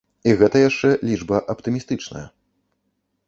І гэта яшчэ лічба аптымістычная.